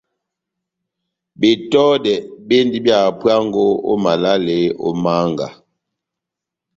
Betɔdɛ bendi bia hapuango ó malale ó mánga.